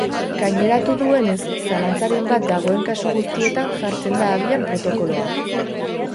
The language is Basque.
Gaineratu duenez, zalantzaren bat dagoen kasu guztietan jartzen da abian protokoloa.